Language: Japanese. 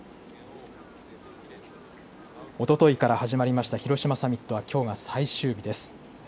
おとといから始まった広島サミットはきょうが最終日です。